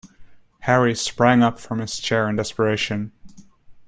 Harry sprang up from his chair in desperation.